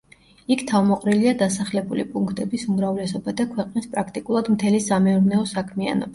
იქ თავმოყრილია დასახლებული პუნქტების უმრავლესობა და ქვეყნის პრაქტიკულად მთელი სამეურნეო საქმიანობა.